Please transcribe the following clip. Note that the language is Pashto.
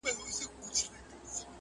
د پښتون کلتور بس دا نخښه کاپي ده